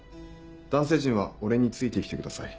男性陣は俺について来てください。